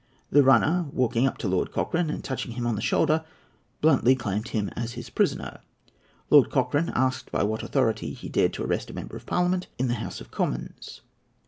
The runner, walking up to Lord Cochrane and touching him on the shoulder, bluntly claimed him as his prisoner. Lord Cochrane asked by what authority he dared to arrest a Member of Parliament in the House of Commons.